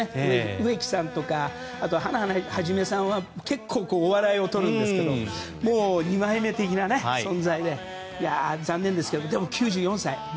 植木さんとか、ハナ肇さんは結構、笑いをとるんですけど二枚目的な存在で残念ですけどでも９４歳。